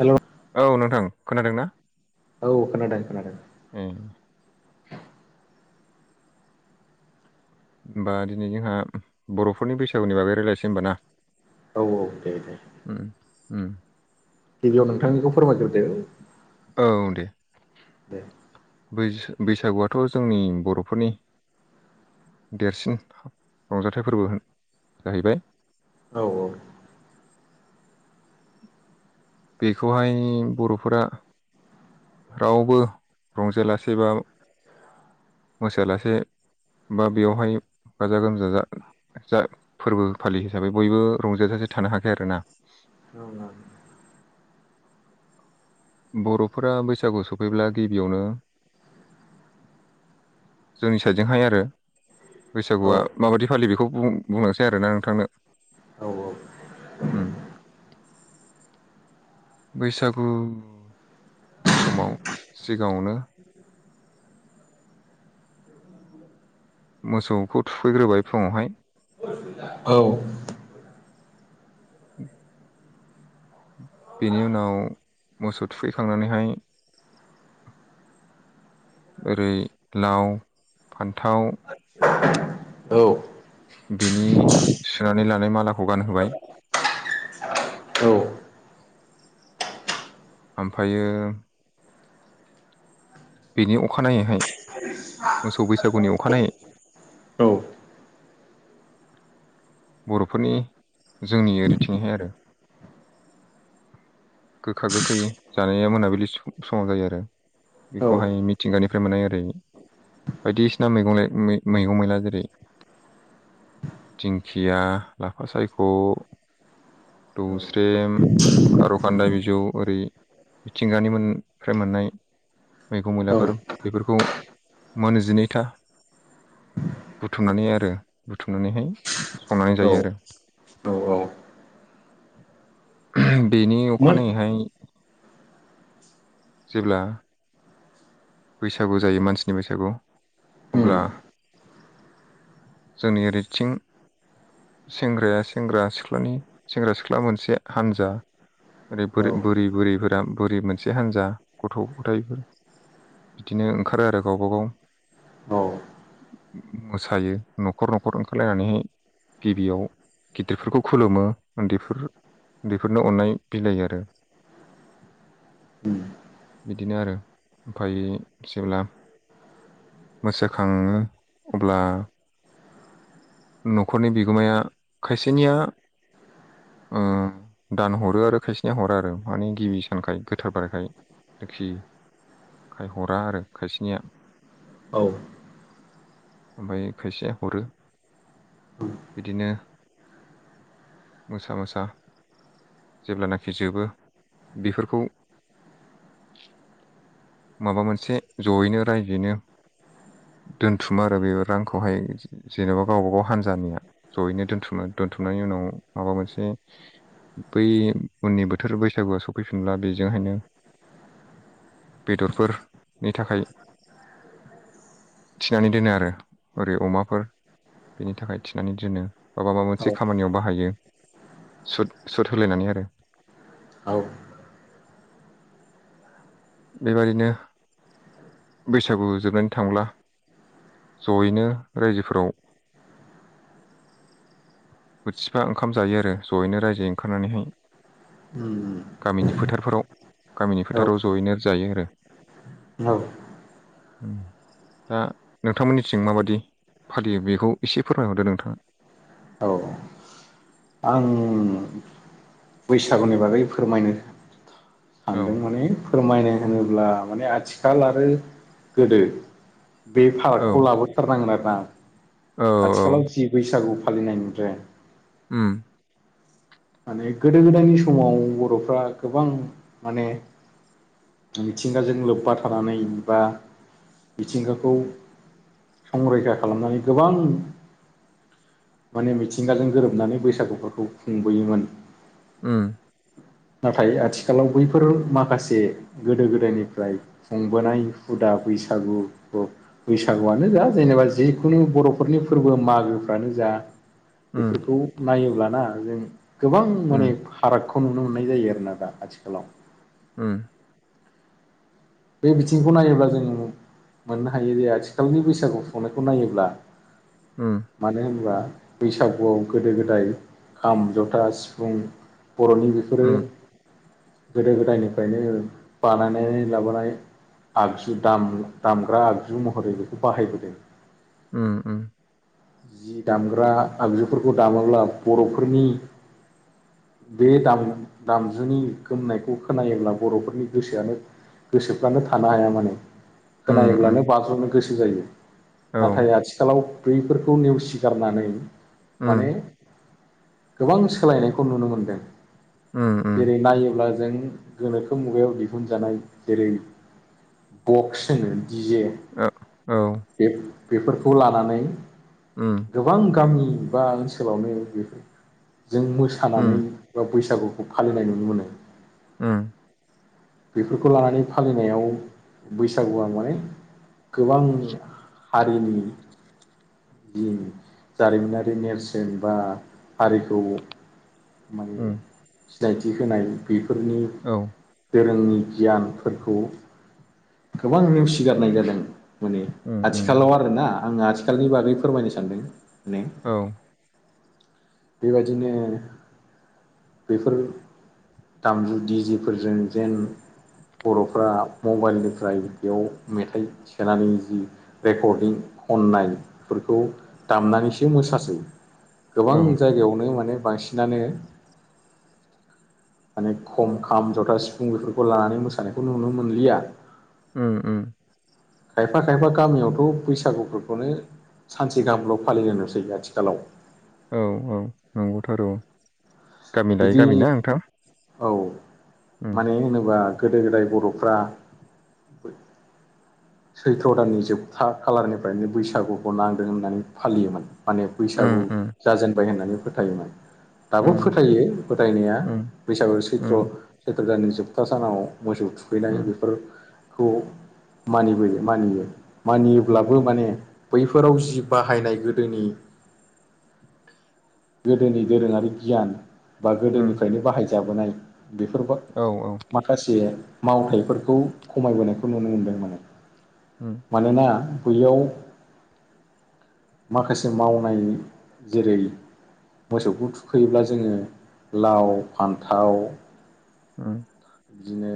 हेल' औ नोंथां खोनादों ना? औ खोनादों खोनादों ए होमबा दिनै जोंहा बर'फोरनि बैसागुनि बागै रायज्लायसि होनबा ना औ औ दे दे उ गिबियाव नोंथांनिखौ फोरमायग्रोदो औ दे दे बैस बैसागुआथ' जोंनि बर'फोरनि देरसिन रंजाथाइ फोरबो होन जाहैबाय औ औ बेखौहाय बर'फोरा रावबो रंजालासे बा मोसायालासे बा बेवहाय गाजा गोमजा जा फोरबो फालि हिसाबै बयबो रंजा सासे थानो हाखाया आरो ना औ बर'फोरा बैसागु सफैब्ला गिबियावनो जोंनि साइडजोंहाय आरो औ बैसागुआ माबायदि फालियो बेखौ बु बुंलांसै आरोना नोंथांनो औ औ उम [inaudible] बैसागुनि समाव सिगाङावनो मोसौखौ थुखैग्रोबाय फुङावहाय औ उ बेनि उनाव मोसौ थुखैखांनानैहाय ओरै लाव फान्थाव औ बिनि सुनानै लानाय मालाखौ गानहोबाय ओमफ्रायो बेनि अखानायैहाय मोसौ बैसागुनि अखानायै [inaudible] बर'फोरनि जोंनि ओरै थिहाय आरो गोखा गोखै जानाया मोनाबिलि स समाव जायो आरो बेखौहाय मिथिंगानिफ्राय मोननाय ओरै बायदिसिना मैगं ए मै मैगं मैला जेरै दिंखिया लाफा सायख' दुसेरेम खारो खान्दाय बिजौ ओरै मिथिंगानि मोन मोनफ्राय मोननाय मैगं औ मैलाफोर बेफोरखौ मोनजिनैथा बुथुमनानै आरो बुथुमनानैहाय संनानै जायो आरो ब बेनि अखानायैहाय जेब्ला बैसागु जायो मानसिनि बैसागुआव उम अब्ला जोंनि ओरैथिं सेंग्राया सेंग्रा सिख्लानि सेंग्रा सिख्ला मोनसे हानजा ओरै औ बोराइ बुरै बुरैफोरा बोरै मोनसे हान्जा गथ' गथायाइफोर बिदिनो ओंखारो आरो गावबागाव औ मोसायो न'खर न'खर ओंखारलायनानैहाय गिबियाव गिदिरफोरखौ खुलुमो उन्दैफोर बेफोरनो अन्नाय बिलाइ आरो उम बिदिनो आरो ओमफ्राय जेब्ला मोसाखाङो अब्ला न'खरनि बिगोमाया खायसेनिया ओ दान हरो आरो खायसेना हरा आरो माने गिबि सानखाय गोथार बारायखाय लोखि खाय हरा आरो खायसेनिया औ ओमफ्राय खायसेया हरो बिदिनो मोसा मोसा जेब्लानाखि जोबो बेफोरखौ माबा मोनसे जयैनो रायजनो दोनथुमो आरो बे रांखौहाय जेनेबा गावबा गाव हानजानिया जयैनो दोनथुमना दोनथुमनायनि उनाव माबा मोनसे बै उननि बोथोर बैसागुआ सफैफिनला बेजोंहायनो बेदरफोरनि थाखाय थिनानै दोनो आरो ओरै अमाफोर बेनि थाखाय थिनानै दोनो बाबा माबा औ औ मोनसे खामानियाव बाहायो सुट सुद होलायनानै आरो औ बेबादिनो बैसागु जोबनानै थांब्ला जयैनो रायजोफोराव बोथिफा ओंखाम जायो आरो ज'यैनो रायजोयै ओंखारनानैहाय गामिनि फोथारफोराव गामिनि औ फोथाराव जयैनो जायो आरो [unintelligible] उम दा नोंथांमोननिथिं माबादि फालियो बेखौ एसे फोरमायहरदो नोंथांङा औ आं बैसागुनि बागै फोरमायनो औ सानदों माने फोरमायनो होनोब्ला माने आथिखाल आरो गोदो बे औ फरागखौ लाबोथारनांगोन आरो ना औ औ आथिखालाव जि बैसागु फालिनायनिफ्राय ओम माने गोदो गोदायनि समाव बर'फ्रा गोबां माने मिथिंगाजों लोब्बा थानानै बा मिथिंगाखौ संरैखा खालामनानै गोबां माने मिथिंगाजों गोरोबनानै बैसागुफोरखौ खु खुंबोयोमोन ओम नाथाय आथिखालाव बैफोर माखासे गोदो गोदायनिफ्राय खुंबोनाय हुदा बैसागु खौ बैसागुआनो जा जेनेबा बा जेनेबा जिखुनु बर'फोरनि फोरबो मागोफ्रानो जा उम बेफोरखौ नायोब्लाना जों गोबां माने उम फाराग खौ नुनो मोननाय जायो आरोना दा आथिखालाव ओम बे बिथिंखौ नायोब्ला जोंङो मोननो हायो आथिखालनि बैसागु खुंनायखौ नायोब्ला उम मानो होनोबा बैसागुआव गोदो गोदाय खाम, जथा, सिफुं बर'नि बेफोरो उम गोदो गोदायनिफ्रायनो बानायनानै लाबोनाय आगजु दाम दामग्रा आगजु महरै बेखौ बाहायबोदों उम - उम जि दामग्रा आगजुफोरखौ दामोब्ला बर'फोरनि बे दाम दामजुनि गोमनायखौ खोनायोब्ला बर'फोरनि गोसोआनो गोसोफ्रानो थानो हाया मानोे उम उम खोनाब्लानो बाज्र'नो गोसो जायो औ नाथाय आथिखालाव बैफोरखौ नेवसिगारनानै माने उम गोबां सोलायनायखौ नुनो मोनदों उम उम जेरै नायोब्ला जों गोनोखो मुगायाव दिहुनजानाय जेरै बक्स होनो दिजे ओ औ बे बेफोरखौ लानानै उम गोबां गामि बा ओनसोलावनो बेफोर जों उम मोसानानै बा बैसागुखौ फालिनाय नुनो मोनो उम बेफोरखौ लानानै फालिनायाव बैसागुआ माने गोबां हारिनि जिन जारिमिनारि नेरसोन बा हारिखौ माने उम सिनायथि होनाय बेफोरनि औ दोरोंनि गियानफोरखौ गोबां नेवसिगारनाय जादों माने उम उम आथिखालाव आरोना आंङो आथिखालनि बागै फोरमायनो सानदों माने औ बेबायदिनो बेफोर दामजु दिजे फोरजों जेन बर'फोरा मबाइलनिफ्राय बेयाव मेथाइ सोनानै जि रेकर्डिं खननायफोरखौ दामनानैसो मोसासै गोबां औ जायगायावनो माने बांसिनानो माने खम खाम जथा सिफुं बेफोरखौ लानानै मोसानायखौ नुनो मोनलिया ओ ओ खायफा खायफा गामियावथ' बैसागुफोरखौनो सानसे गाहामल' फालिलायनोसै आथिखालाव औ औ नंगौ थ' आरो गामि लाय बिदि गामि ना नोंथां औ उम मानो होनोबा गोदो गोदाय बर'फ्रा सैथ्र' दाननि जोबथा खालारनिफ्रायनो बैसागुखौ नांदों होननानै फालियोमोन माने बैसागु उम उम जाजेनबाय होननानै फोथायोमोन दाबो उम फोथायो फोथायनाया उम बैसागु सैत्र उम सैथ्र दाननि जोबथा सानाव मोसौ थुखैनाय उम बेफोर खौ मानिबोयो मानियो मानियोब्लाबो माने बैफोराव जि बाहायनाय गोदोनि [inaudible] गोदोनि दोरोङारि गियान बा उम गोदोनिफ्रायनो बाहायजाबोनाय बेफोरबा औ औ माखासे मावथाइफोरखौ खमायबोनायखौ नुनो मोनदों माने उम मानोना बैयाव माखासे मावनाय जेरै मोसौखौ थुखैयोब्ला जोङो लाव फान्थाव औ बिदिनो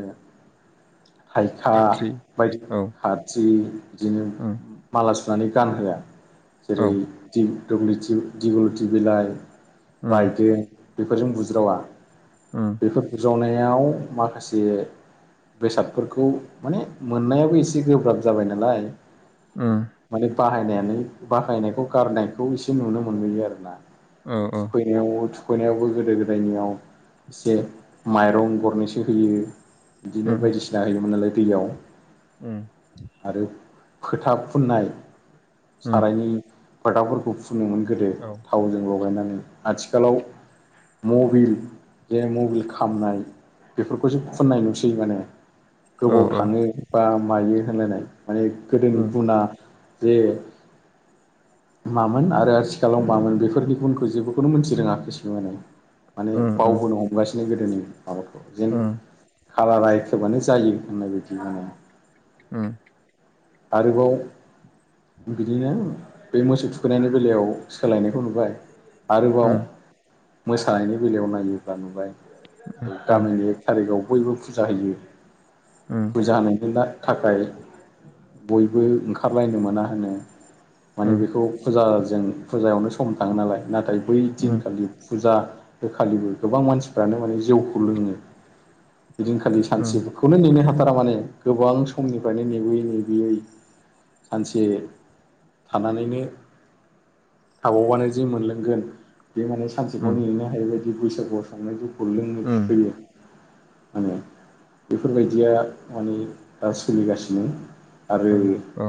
थायखा खाथ्रि बायदि औ खाथि बिदिनो उम माला सुनानै गानहोआ औ जेरै दिगलुटि दिगलुटि बिलाइ उम बायदों बेफोरजों बुज्रावा उम बेफोर जनायाव माखासे बेसादफोरखौ माने मोननायाबो ए से गोब्राब जाबाय नालाय ओ बाहायनानै बाहायनायखौ गारनायखौ एसे नुनो मोनबोयो आरो ना औ औ थुखैनायाव थु खैनायावबो गोदो गोदायनियाव एसे माइरं गरनैसो होयो बिदिनो उम बायदिसिना होयोमोन नालाय दैयाव उम ओ खोथा फुननाय उम सारायनि खोथाफोरखौ फो फोनोमोन गोदो औ थावजों लगायनानै आथिखालाव मबिल जे मबिल खामनाय बेफोरखौसो खुननाय नुसै माने औ गोबाव औ थाङो बा मायो होनलायनाय माने गोदोनि उम गुना जे मामोन आरो आथिखालाव मामोन बेफोरनि गुनखौ जेबोखौनो मोनथि रोङाखिसे खिसुमाना माने बावबोनो हमगासिनो गोदोनि माबाखौ जेन औ खालारा एखेबानो जायो होननाय बायदि होनो औ आरोबाव बिदिनो बे मोसौ थुखैनायनि बेलायाव सोलायनायखौ नुबाय उम आरोबाव मोसानायनि बेलायाव नायोब्ला नुबाय उम गामिनि एक थारिखआव बयबो फुजा होयो उम फुजा होनाय बिनि थाखाय बयबो ओंखारलायनो मोना होनो माने बेखौ फुजाजों फुजायावनो सम थाङो नालाय नाथाय बै उम उम दिनखालि फुजा होखालिबो गोबां मानसिफ्रानो माने जौखौ लोङो बिदिनखालि उम सानसेफोरखौनो नेनो हाथारा माने गोबां समनिफ्रायनो नेबोयै नेबोयै सानसे थानानैनो थाबावबानो जि मोनलोंगोन बे माने सानसेखौ उम नेनो हायै बायदि बैसागु संनाय जौखौ लोंनो फैयो मा होनो बेफोरबायदिया माने दा सोलिगासिनो आरो औ औ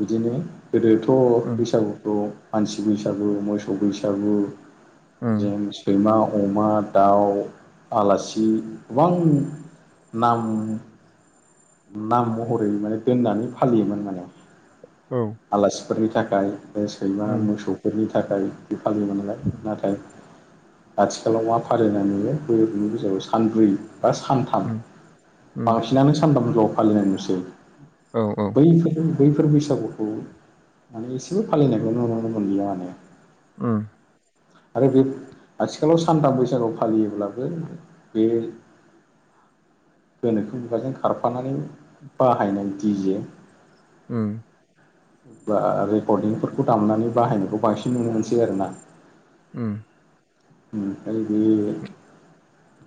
बिदिनो गोदोथ' उम औ उम बैसागुखौ मानसि बैसागु मोसौ बैसागु उम उम जों सैमा अमा दाउ आलासि गोबां नाम नाम महरै माने दोननानै फालियोमोन माने औ आलासिफोरनि थाखाय बे सैमा उम मोसौफोरनि थाखाय फालियोमोनलाय नाथाय आथिखालाव मा फालिनाय नुयो बोरनि गेजेराव सानब्रै बा सानथाम उम बांसिनानो सानथामल' फालिनाय नुसै औ उम औ उम बैफोरनो बैफोर बैसागुखौ माने एसेबो फालिनायखौ नुनो मोनलिया माने [inaudible] आरो बे आथिखालाव सानथाम बैसागु फालियोब्लाबो बे [inaudible] गोनोखो मुगाजों खारफानानै बाहायनाय दिजे ओ बा रेकर्डिंफोरखौ दामनानै बाहायनायखौ बांसिन नुनो मोनसै आरोना ओ ओमफ्राय बे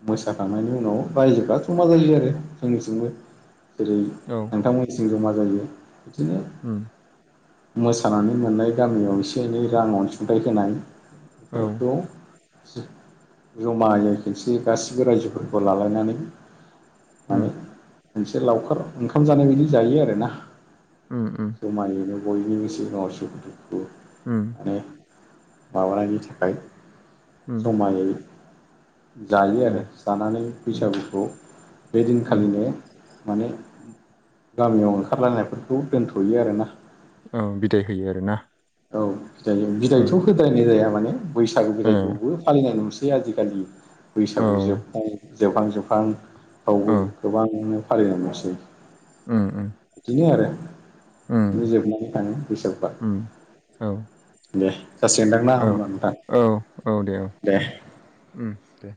मोसाखांनायनि उनाव रायजोफ्रा जमा जायो आ रो जोंनिथिंबो जेरै नोंथांमोनथिंबो जमा जायो बिदिनो ओ मोसानानै मोननाय गामियाव एसे एनै रां अनसुंथाइ होनाय रद' उम जमायै खौसे गाससिबो रायजोफोरखौ लालायनानै माने मोनसे लावखार ओंखाम जानाय बायदि जायो आरोना जमायोनो बयनि मिसि अस द म माबानायनि थाखाय जमायै जायो आरो उम जानानै उम बैसागुखौ बे उम दिनखालिनो माने गामियाव ओंखारलायनायफोरखौ दोनथ'यो आरोना औ बिदाय होयो आरोना औ बिद बिदायथ' उम होद्रायनाय जाया माने बैसागु ओ बिदायखौबो फालिनाय नुस सै आजिखालि बैसागु औ जोब जोबहां जोबहां औ फ्रावबो गोबांनो फालिनाय नुसै ओ ओ बिदिनो आरो जोबनानै थाङो बैसागुआ उम औ दे जासिगोनदांना औ होमबा नोंथां औ औ दे औ दे